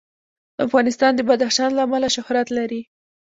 افغانستان د بدخشان له امله شهرت لري.